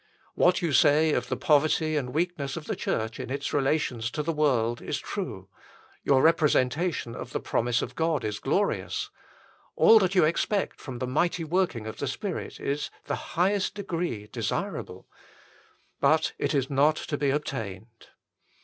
What you say of the poverty and weakness of the Church in its relations to the world is true : your representation of the promise of God is glorious : all that you expect from the mighty working of the Spirit it is the highest degree desirable ; but it is not to be obtained.